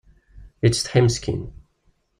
Yettsetḥi meskin.